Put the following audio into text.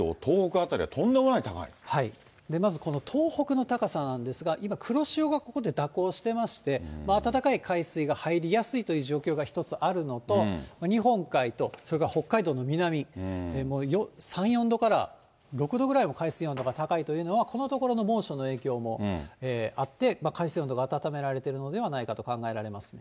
辺りは、まずこの東北の高さなんですが、今、黒潮がここで蛇行してまして、暖かい海水が入りやすいという状況が一つあるのと、日本海とそれから北海道の南、３、４度から６度ぐらい、海水温度が高いというのは、このところの猛暑の影響もあって、海水温度が暖められているのではないかと考えられますね。